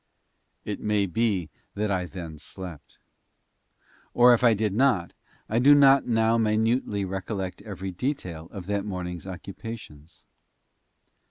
It may be that I then slept. Or, if I did not, I do not now minutely recollect every detail of that morning's occupations.